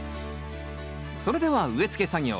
それでは植え付け作業。